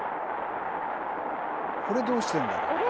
これどうしてんだろう。